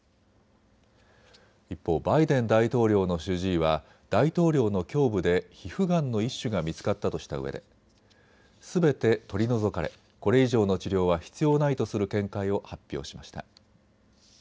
一方、バイデン大統領の主治医は大統領の胸部で皮膚がんの一種が見つかったとしたうえですべて取り除かれ、これ以上の治療は必要ないとする見解を発表しました。